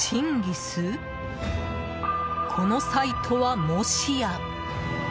このサイトは、もしや。